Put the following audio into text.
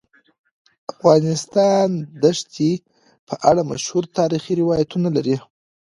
افغانستان د ښتې په اړه مشهور تاریخی روایتونه لري.